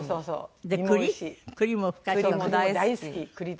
そう。